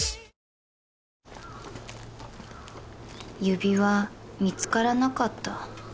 指輪見つからなかった